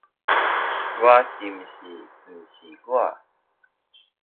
我是不是不是我？